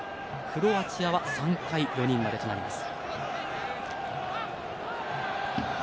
クロアチアは３回４人までとなります。